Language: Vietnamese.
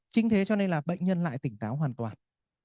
chính thế cho nên là bệnh nhân lại tỉnh táo hoàn toàn